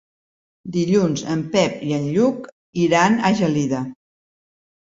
Dilluns en Pep i en Lluc iran a Gelida.